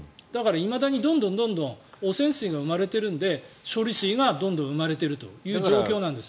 いまだにどんどん汚染水が生まれてるんで処理水がどんどん生まれているという状況なんです。